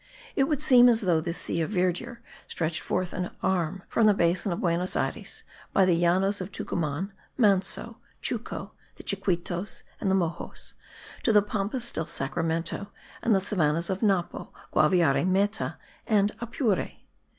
It would seem as though this sea of verdure stretched forth an arm from the basin of Buenos Ayres, by the Llanos of Tucuman, Manso, Chuco, the Chiquitos, and the Moxos, to the Pampas del Sacramento and the savannahs of Napo, Guaviare, Meta and Apure.